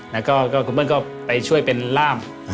แล้วก็คุณเบิ้ลก็ไปช่วยเป็นร่าม